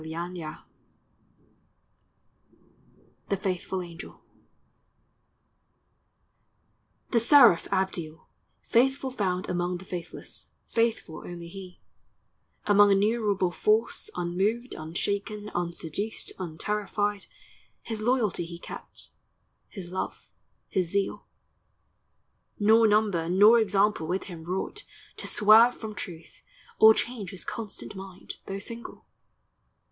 FROM "PARADISE LOST," BOOK V. The seraph Abdiel, faithful found Among the faithless, faithful only he; Among innumerable false, unmoved, Unshaken, unseduced, unterrified, His loyalty he kept, his love, his zeal; Nor number, nor example with him wrought To swerve from truth, or change his constant mind, Though single.